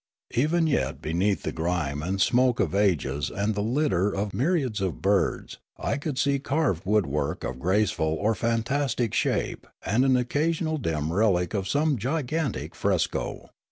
Even yet beneath the grime and smoke of ages and the litter of myriads of birds I could see carved woodwork of graceful or fantastic shape and an occasional dim relic of some gigantic fresco.